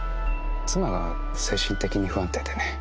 妻が精神的に不安定でね。